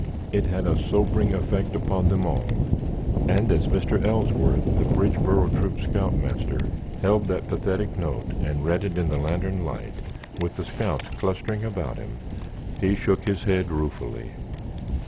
It had a sobering effect upon them all, and as Mr. Ellsworth, the Bridgeboro Troop's scoutmaster, held that pathetic note and read it in the lantern light, with the scouts clustering about him, he shook his head ruefully.